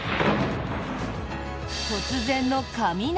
突然の雷。